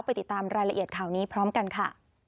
ติดตามรายละเอียดข่าวนี้พร้อมกันค่ะ